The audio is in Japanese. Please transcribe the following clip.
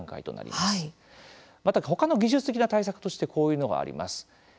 また他の技術的な対策としてこういうのがあります。